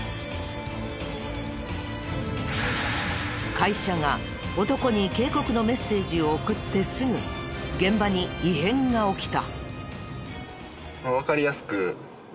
会社が男に警告のメッセージを送ってすぐ現場に異変が起きた。